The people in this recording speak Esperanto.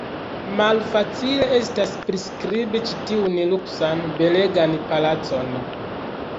Malfacile estas priskribi ĉi tiun luksan, belegan palacon.